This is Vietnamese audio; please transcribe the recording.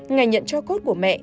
ngày nhận cho cốt của mẹ